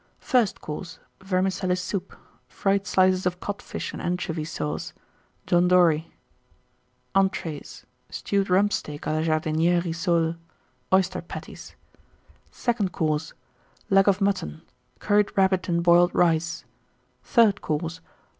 FIRST COURSE. Vermicelli Soup. Fried Slices of Codfish and Anchovy Sauce. John Dory. ENTREES. Stewed Rump steak à la Jardinière Rissoles. Oyster Patties. SECOND COURSE. Leg of Mutton. Curried Rabbit and Boiled Rice. THIRD COURSE.